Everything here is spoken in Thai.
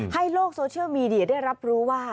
โลกโซเชียลมีเดียได้รับรู้ว่า